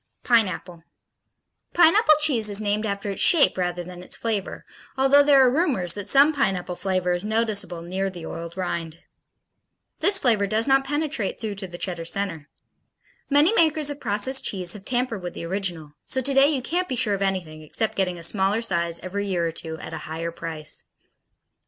Pineapple Pineapple cheese is named after its shape rather than its flavor, although there are rumors that some pineapple flavor is noticeable near the oiled rind. This flavor does not penetrate through to the Cheddar center. Many makers of processed cheese have tampered with the original, so today you can't be sure of anything except getting a smaller size every year or two, at a higher price.